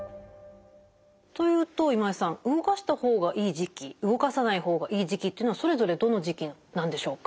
というと今井さん動かした方がいい時期動かさない方がいい時期というのはそれぞれどの時期なんでしょうか？